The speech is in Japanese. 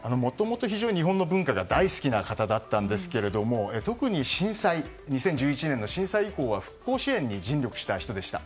もともと非常に日本の文化が大好きな方だったんですが特に、２０１１年の震災以降は復興支援に尽力した人でした。